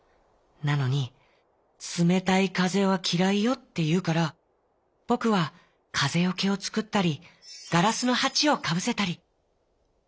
なのに『つめたいかぜはきらいよ』っていうからぼくはかぜよけをつくったりガラスのはちをかぶせたり」。